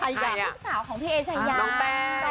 พี่สาวของพี่เอเชยาน้องแป้ง